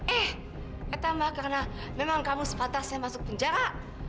eh itu mah karena memang kamu sepatasnya masuk penjara